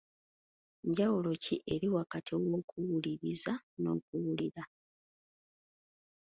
Njawulo ki eri wakati w'okuwuliriza n'okuwulira?